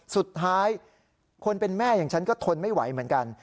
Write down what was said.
สุดท้ายคนเป็นแม่อย่างฉันก็ทนไม่ไหวเหมือนกัน